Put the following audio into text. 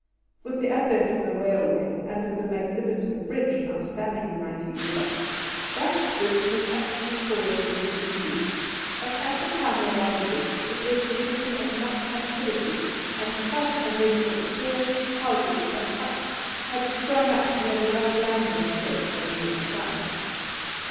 With the advent of the railway and of the magnificent bridge now spanning the mighty river, that drift has actually fallen into disuse, but at the time of our visit it was the scene of much activity, and quite a nest of stores, houses, and huts, had sprung up near the rough landing stage on the north side.